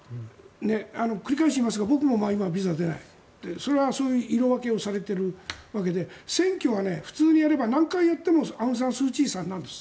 繰り返しますが僕も今、ビザでそれは色分けをされているわけで選挙は普通にやれば何回やってもアウンサンスーチーさんなんです。